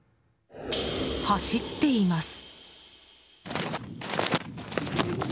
走っています。